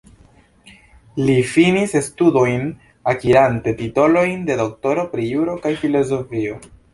Li finis studojn akirante titolojn de doktoro pri juro kaj filozofio.